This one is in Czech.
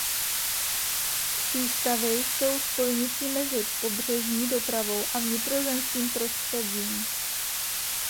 Přístavy jsou spojnicí mezi pobřežní dopravou a vnitrozemským prostředím.